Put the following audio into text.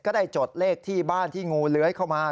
ได้จดเลขที่บ้านที่งูเลื้อยเข้ามา